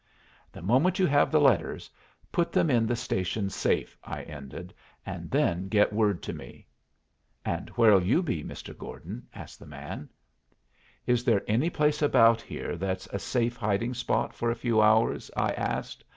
"The moment you have the letters, put them in the station safe," I ended, "and then get word to me." "And where'll you be, Mr. Gordon?" asked the man. "Is there any place about here that's a safe hiding spot for a few hours?" I asked.